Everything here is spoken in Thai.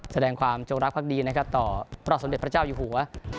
แสดงความจงรักภักดีนะครับต่อพระบาทสมเด็จพระเจ้าอยู่หัว